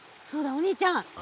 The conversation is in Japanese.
お兄ちゃん。